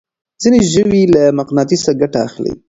ځينې ژوي له مقناطيسه ګټه اخلي.